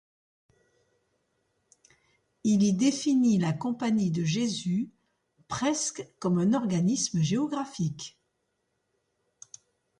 Il y définit la Compagnie de Jésus 'presque comme un organisme géographique'.